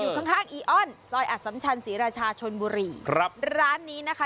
ข้างข้างอีออนซอยอัตสัมชันศรีราชาชนบุรีครับร้านนี้นะคะ